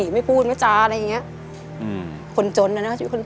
มือมือ